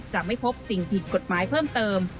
จะไม่พบสิ่งผิดกฎหมายเพิ่มเติม